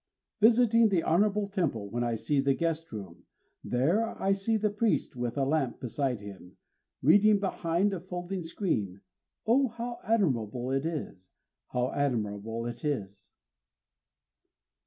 _ Visiting the honorable temple, when I see the guest room, There I see the priest, with a lamp beside him, Reading behind a folding screen oh, how admirable it is! _How admirable it is!